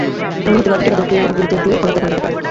এমনও হতে পারে, ঠিকাদারকে অগ্রিম চেক দিয়েও খরচ দেখানো হতে পারে।